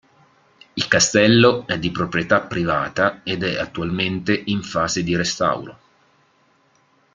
Il castello è di proprietà privata ed è attualmente in fase di restauro.